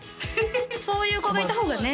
そういう子がいた方がね